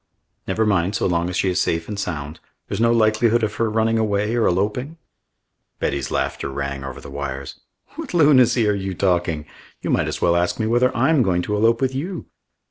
"Never mind so long as she is safe and sound. There's no likelihood of her running away or eloping?" Betty's laughter rang over the wires. "What lunacy are you talking? You might as well ask me whether I'm going to elope with you."